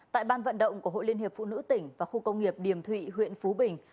tại ban vận động của hội liên hiệp phụ nữ tỉnh và khu công nghiệp điềm thụy huyện phú bình